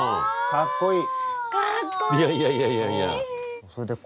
かっこいい。